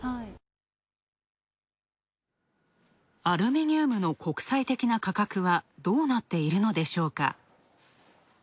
アルミニウムの国際的な価格はどうなっているのでしょうか。